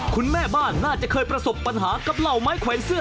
คุณแม่บ้านน่าจะเคยประสบปัญหากับเหล่าไม้แขวนเสื้อ